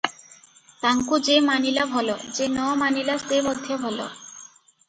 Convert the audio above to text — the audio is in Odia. ତାଙ୍କୁ ଯେ ମାନିଲା ଭଲ, ଯେ ନ ମାନିଲା ସେ ମଧ୍ୟ ଭଲ ।